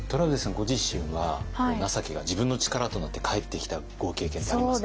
ご自身は情けが自分の力となって返ってきたご経験ってありますか？